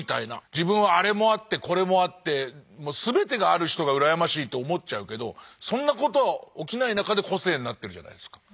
自分はあれもあってこれもあってもう全てがある人が羨ましいって思っちゃうけどそんなことは起きない中で個性になってるじゃないですか。